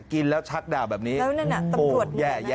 กินแล้วชัดด่าแบบนี้แย่แล้วนั่นน่ะตำรวจเนี่ย